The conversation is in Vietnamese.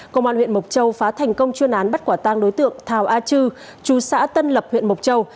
công an huyện mộc châu phá thành công chuyên án bắt quả tang đối tượng thảo a chư chú xã tân lập huyện mộc châu